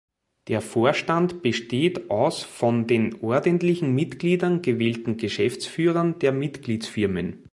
Der Vorstand besteht aus von den ordentlichen Mitgliedern gewählten Geschäftsführern der Mitgliedsfirmen.